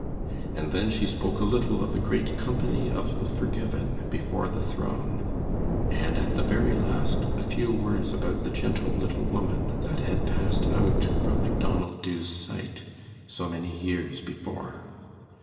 And then she spoke a little of the great company of the forgiven before the throne, and at the very last, a few words about the gentle little woman that had passed out from Macdonald Dubh's sight so many years before.